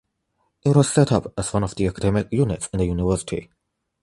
It was set up as one of the academic units in the university.